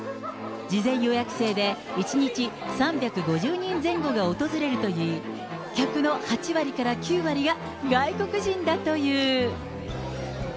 事前予約制で、１日３５０人前後が訪れるといい、客の８割から９割が外国人だという。